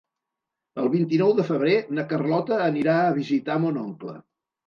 El vint-i-nou de febrer na Carlota anirà a visitar mon oncle.